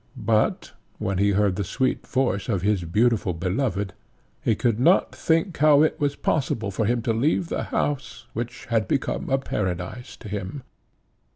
But when he heard the sweet voice of his beautiful beloved, he could not think how it was possible for him to leave the house, which had become a paradise to him.